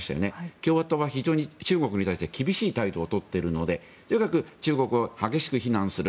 共和党は非常に中国に対して厳しい態度を取っているのでとにかく中国を激しく非難する。